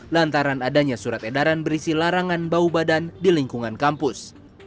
lantaran adanya surat edaran berisi larangan bau badan di lingkungan kampus